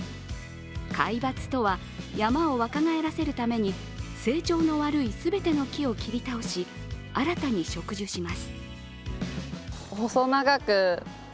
皆伐とは山を若返らせるために成長の悪い全ての木を切り倒し、新たに植樹します。